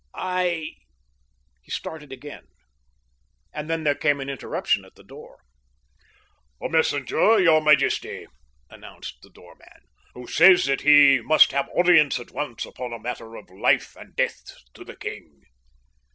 "I," he started again, and then there came an interruption at the door. "A messenger, your majesty," announced the doorman, "who says that he must have audience at once upon a matter of life and death to the king."